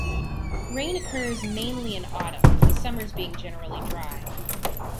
Rain occurs mainly in autumn, the summers being generally dry.